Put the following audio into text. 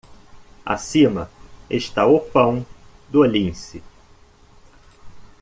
Acima está o pão do lince.